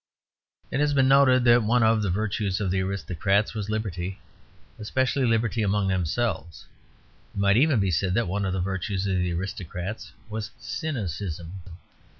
It has been noted that one of the virtues of the aristocrats was liberty, especially liberty among themselves. It might even be said that one of the virtues of the aristocrats was cynicism.